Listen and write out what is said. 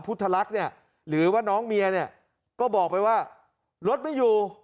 พุทธลักษณ์เนี่ยหรือว่าน้องเมียเนี่ยก็บอกไปว่ารถไม่อยู่